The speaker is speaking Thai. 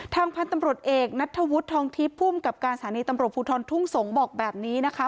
ทางพันธุ์ตำรวจเอกนัทธวุฒิทองทิพย์ภูมิกับการสถานีตำรวจภูทรทุ่งสงศ์บอกแบบนี้นะคะ